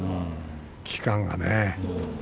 期間がね。